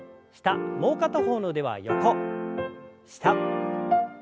もう片方の腕は横下横。